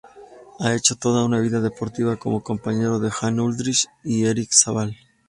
Ha hecho toda su vida deportiva como compañero de Jan Ullrich y Erik Zabel.